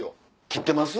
切ってます？